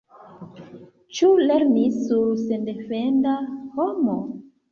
Ĉu lernis sur sendefenda homo?